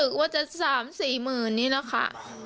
เครียดค่ะ